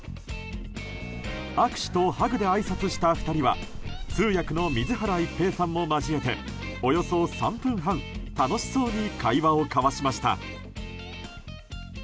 握手とハグであいさつした２人は通訳の水原一平さんも交えておよそ３分半、楽しそうに会話を交わしました。